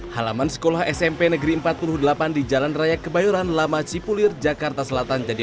halaman sekolah smp negeri empat puluh delapan di jalan raya kebayoran lama cipulir jakarta selatan jadi